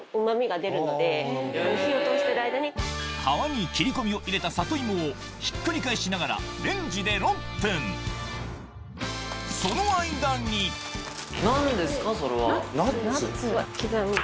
皮に切り込みを入れた里芋をひっくり返しながらレンジで６分その間に何ですか？